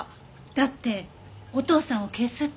だってお父さんを消すって。